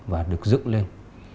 và được dựng lên